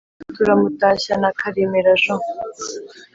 turamutashya na karemera jean